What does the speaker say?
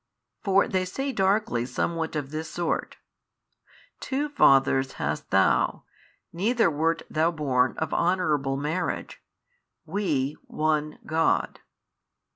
For they say darkly somewhat of this sort, Two fathers hast Thou, neither wert Thou born of honourable marriage, WE One, God.